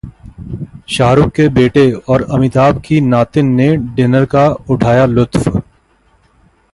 शाहरुख के बेटे और अमिताभ की नातिन ने डिनर का उठाया लुत्फ